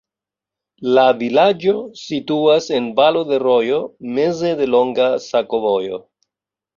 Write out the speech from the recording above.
La vilaĝo situas en valo de rojo, meze de longa sakovojo.